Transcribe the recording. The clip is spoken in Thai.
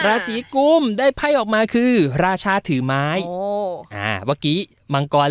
ราศีกุมได้ไพ่ออกมาคือราชาถือไม้โอ้อ่าเมื่อกี้มังกร